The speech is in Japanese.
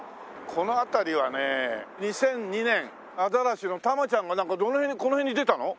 この辺りはね２００２年アザラシのタマちゃんがどの辺にこの辺に出たの？